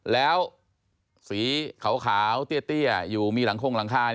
แล้วสีขาวเตี้ยอยู่มีหลังคงหลังคา